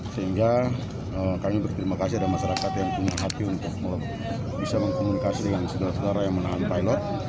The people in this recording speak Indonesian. sehingga kami berterima kasih ada masyarakat yang punya hati untuk bisa mengkomunikasi dengan saudara saudara yang menahan pilot